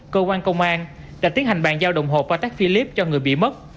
cơ quan công an đã tiến hành bàn giao đồng hồ patek philippe cho người bị mất